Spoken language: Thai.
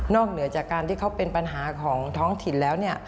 เหนือจากการที่เขาเป็นปัญหาของท้องถิ่นแล้ว